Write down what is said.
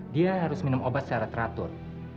dia harus minum obat secara teratur